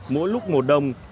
mỗi lúc mùa đông